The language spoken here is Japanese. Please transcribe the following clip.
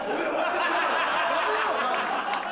やめろお前。